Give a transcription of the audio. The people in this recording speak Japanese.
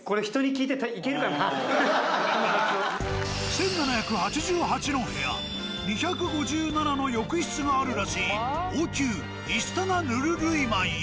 １７８８の部屋２５７の浴室があるらしい王宮イスタナヌルルイマンへ。